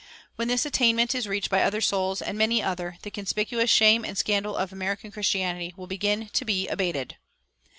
[410:2] When this attainment is reached by other souls, and many other, the conspicuous shame and scandal of American Christianity will begin to be abated.